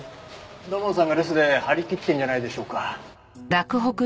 土門さんが留守で張り切ってるんじゃないでしょうか。